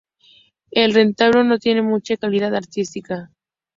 El retablo no tiene mucha calidad artística.